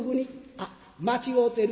あっ間違うてる。